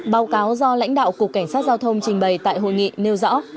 báo cáo do lãnh đạo cục cảnh sát giao thông trình bày tại hội nghị nêu rõ